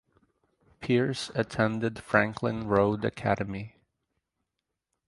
Pierce attended Franklin Road Academy.